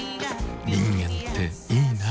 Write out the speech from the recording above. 人間っていいナ。